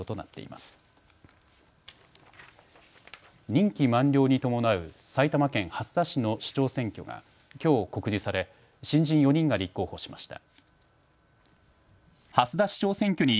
任期満了に伴う埼玉県蓮田市の市長選挙がきょう告示され新人４人が立候補しました。